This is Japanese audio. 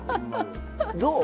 どう？